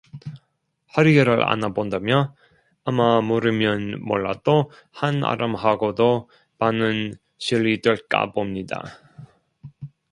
허리를 안아 본다며, 아마 모르면 몰라도, 한아름하고도 반은 실히될까 봅니다.